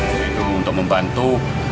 saya itu untuk membantu